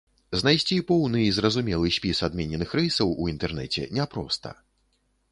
Знайсці поўны і зразумелы спіс адмененых рэйсаў у інтэрнэце няпроста.